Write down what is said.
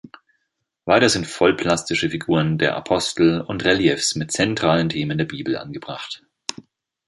Weiter sind vollplastische Figuren der Apostel und Reliefs mit zentralen Themen der Bibel angebracht.